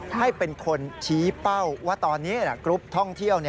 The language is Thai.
ให้เป็นคนชี้เป้าว่าตอนนี้กรุ๊ปท่องเที่ยว